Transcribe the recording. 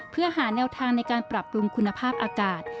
เพื่อหาแนวทางในการปรับปรุงคุณภาพอากาศ